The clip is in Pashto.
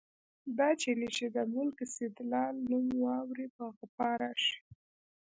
دا چيني چې د ملک سیدلال نوم واوري، په غپا راشي.